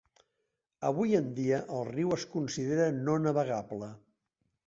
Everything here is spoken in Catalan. Avui en dia el riu es considera no navegable.